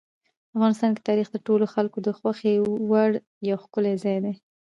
افغانستان کې تاریخ د ټولو خلکو د خوښې وړ یو ښکلی ځای دی.